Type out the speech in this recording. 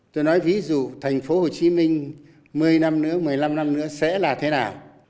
tôi nói ví dụ thành phố hồ chí minh một mươi năm nữa một mươi năm năm nữa sẽ là thế nào